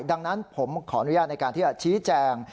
ดังนั้นผมขออนุญาตในการที่จะชี้แจง